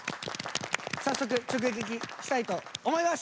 早速直撃したいと思います！